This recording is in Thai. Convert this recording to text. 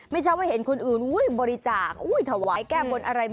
ไม่ใช่ว่าเห็นคนอื่นบริจาคถวายแก้บนอะไร